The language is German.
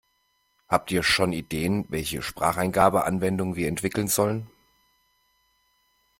Habt ihr schon Ideen, welche Spracheingabe-Anwendungen wir entwickeln sollen?